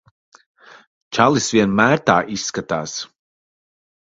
Čalis vienmēr tā izskatās.